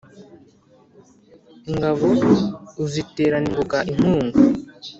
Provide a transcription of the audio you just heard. ingabo uziterana ingoga inkunga